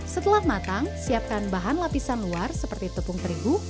setelah matang siapkan bahan lapisan luar seperti tepung terigu